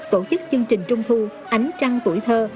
tổ chức chương trình trung thu ánh trăng tuổi thơ